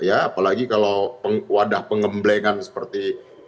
apalagi kalau wadah pengemblengan seperti